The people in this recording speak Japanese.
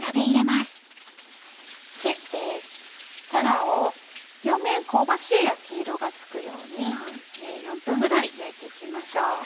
たらを両面香ばしい焼き色がつくように４分ぐらい焼いて行きましょう。